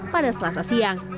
pada selasa siang